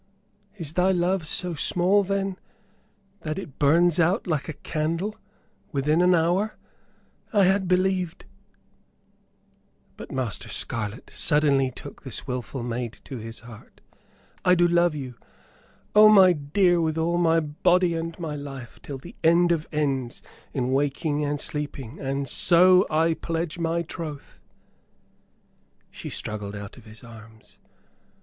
Is thy love so small, then, that it burns out like a candle, within an hour? I had believed " But Master Scarlett suddenly took this wilful maid to his heart. "I do love you, oh, my dear, with all my body and my life till the end of ends, in waking and sleeping. And so I pledge my troth." She struggled out of his arms.